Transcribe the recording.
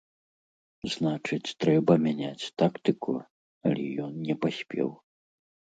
Значыць, трэба мяняць тактыку, але ён не паспеў.